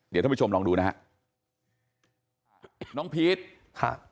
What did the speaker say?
เดี๋ยวท่านผู้ชมลองดูนะฮะน้องพีชครับ